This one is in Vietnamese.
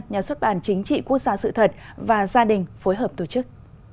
nhà xuất bản chính trị quốc gia sự thật và gia đình phối hợp tổ chức